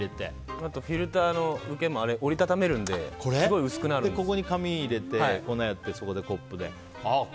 あとフィルターの受けも折りたためるのでそこに紙を入れて粉をやって、コップで。